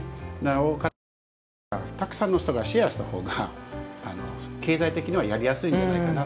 お金はかかるからたくさんの人がシェアした方が経済的にはやりやすいんじゃないかな。